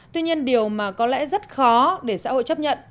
tuy nhiên điều mà có lẽ rất khó để xã hội chấp nhận